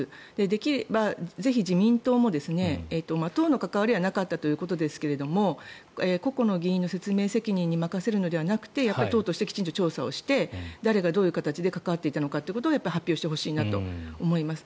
できればぜひ自民党も党の関わりはなかったということですけれどもここの議員の説明責任に任せるのではなくて党としてきちんと調査をして誰がどういう形で関わっていたのかということをやっぱり発表してほしいなと思います。